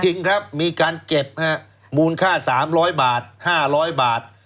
จริงครับมีการเก็บมูลค่า๓๐๐บาท๕๐๐บาท